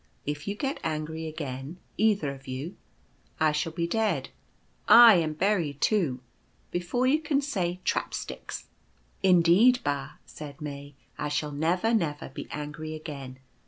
If you get angry again, either of you, I shall be dead, aye, and buried too, before you can say i trapsticks.' "." Indeed, Ba," said May, " I shall never, never be angry again.